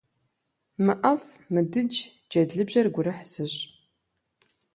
Мыӏэфӏ, мыдыдж, джэд лыбжьэр гурыхь зыщӏ.